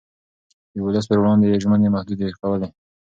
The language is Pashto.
د ولس پر وړاندې يې ژمنې محدودې کولې.